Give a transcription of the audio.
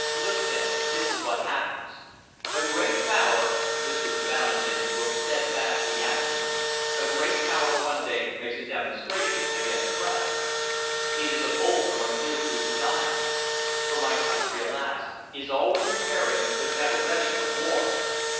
Look, then, this is what happens. A great Power" Mr. de Valentin looked steadfastly at me "a great Power one day makes a demonstration against France. It is a bolt from a clear blue sky; for my country, alas, is always preparing but never ready for war.